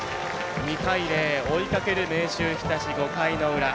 ２対０、追いかける明秀日立５回の裏。